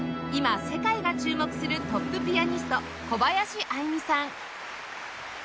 今世界が注目するトップピアニスト小林愛実さん